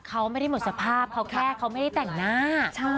เขาไม่ได้หมดสภาพเขาแค่เขาไม่ได้แต่งหน้า